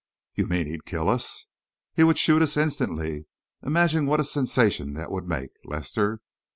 "You mean he'd kill us?" "He would shoot us instantly. Imagine what a sensation that would make, Lester.